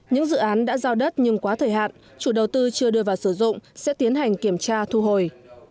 những dự án đã giao đất nhưng quá thời hạn chủ đầu tư chưa đưa vào sử dụng sẽ tiến hành kiểm tra thu hồi